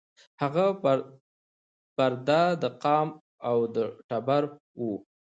هغه پر د ده د قام او د ټبر وو